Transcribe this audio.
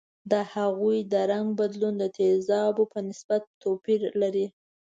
د هغوي د رنګ بدلون د تیزابو په نسبت توپیر لري.